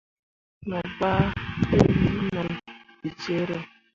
Mobga tokwii mur bicere.